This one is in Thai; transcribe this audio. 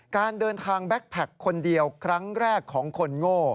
การเดินทางแบ็คแพคคนเดียวครั้งแรกของคนโง่